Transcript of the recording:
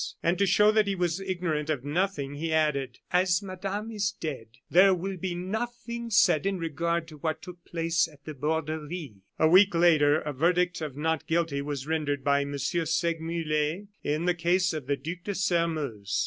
And to show that he was ignorant of nothing, he added: "As madame is dead, there will be nothing said in regard to what took place at the Borderie." A week later a verdict of not guilty was rendered by M. Segmuller in the case of the Duc de Sairmeuse.